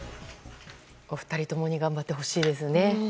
お二人ともに頑張ってほしいですね。